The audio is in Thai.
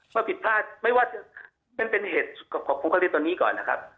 ว่าผิดพลาดไม่ว่าจะเป็นเหตุของผงคลินตัวนี้ก่อนนะครับ